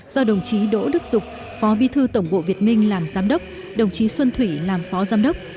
do đồng chí đỗ đức dục phó bi thư tổng bộ việt minh làm giám đốc đồng chí xuân thủy làm phó giám đốc